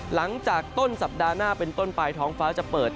หลังจากต้นสัปดาห์หน้าเป็นต้นไปท้องฟ้าจะเปิด